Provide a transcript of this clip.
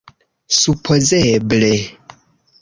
supozeble